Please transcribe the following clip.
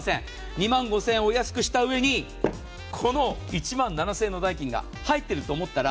２万５０００円お安くしたうえにこの１万７０００円の代金が入ってると思ったら。